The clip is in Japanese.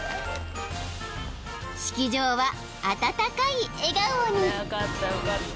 ［式場は温かい笑顔に］